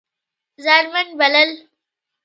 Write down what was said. ځان من بلل